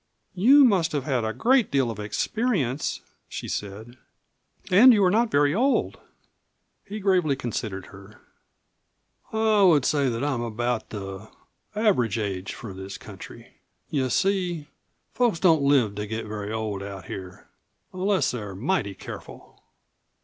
"You must have had a great deal of experience," she said. "And you are not very old." He gravely considered her. "I would say that I am about the average age for this country. You see, folks don't live to get very old out here unless they're mighty careful."